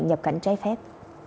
nhập cảnh trái phép